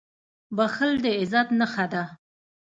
• بښل د عزت نښه ده.